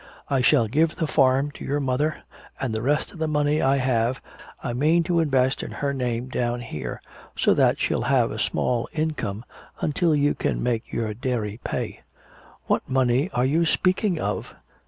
I shall give the farm to your mother, and the rest of the money I have I mean to invest in her name down here, so that she'll have a small income until you can make your dairy pay.'" "What money are you speaking of?"